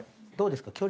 どうですか？